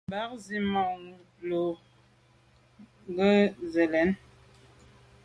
Mba zit manwù lo ghù se lèn.